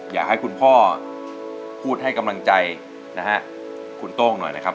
อยากให้คุณพ่อพูดให้กำลังใจนะฮะคุณโต้งหน่อยนะครับ